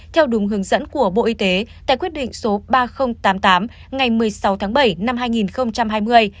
theo đúng hướng dẫn của bộ y tế tại quyết định số ba nghìn tám mươi tám ngày một mươi sáu tháng bảy năm hai nghìn hai mươi